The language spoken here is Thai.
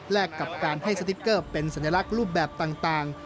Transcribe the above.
กับการให้สติ๊กเกอร์เป็นสัญลักษณ์รูปแบบต่าง